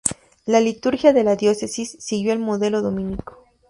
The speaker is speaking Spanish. La liturgia de la diócesis siguió el modelo dominico.